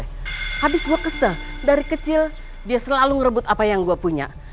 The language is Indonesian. habis gue kesel dari kecil dia selalu ngerebut apa yang gue punya